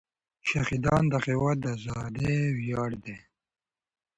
شهیدان د هېواد د ازادۍ ویاړ دی.